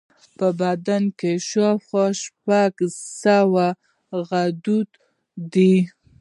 په بدن کې شاوخوا شپږ سوه غدودي دي.